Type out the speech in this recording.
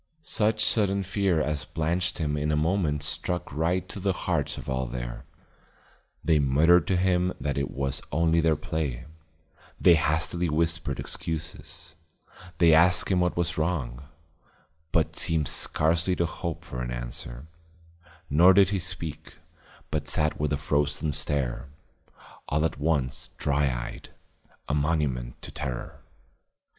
Such sudden fear as blanched him in a moment struck right to the hearts of all there. They muttered to him that it was only their play, they hastily whispered excuses, they asked him what was wrong, but seemed scarcely to hope for an answer, nor did he speak, but sat with a frozen stare, all at once dry eyed, a monument to terror.